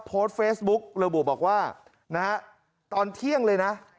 โพสต์เฟซบุ๊กระบุบอกว่านะฮะตอนเที่ยงเลยนะ